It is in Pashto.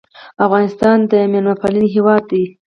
افغانستان د میلمه پالنې هیواد دی